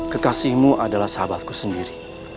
kekasihmu adalah sahabatku sendiri